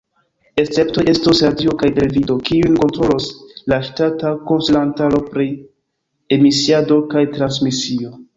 Esceptoj estos radio kaj televido, kiujn kontrolos la ŝtata Konsilantaro pri Emisiado kaj Transmisio.